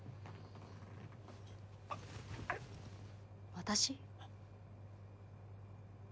私？